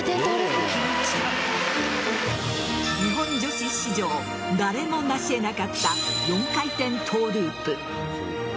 日本女子史上誰も成し得なかった４回転トゥループ。